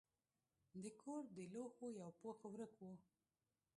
د کور د لوښو یو پوښ ورک و.